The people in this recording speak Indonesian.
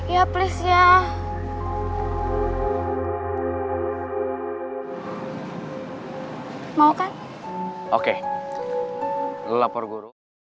sampai jumpa di video selanjutnya